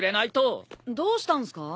どうしたんすか？